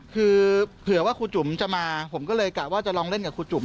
คือเผื่อว่าครูจุ๋มจะมาผมก็เลยกะว่าจะลองเล่นกับครูจุ๋